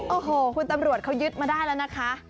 โอ้โหคุณตำรวจเขายึดมาได้แล้วนะคะ